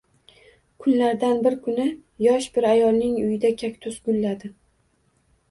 Kunlardan bir kuni yosh bir ayolning uyida kaktus gulladi